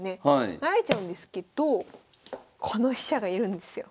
成られちゃうんですけどこの飛車がいるんですよ。